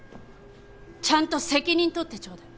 ちゃんと責任取ってちょうだい。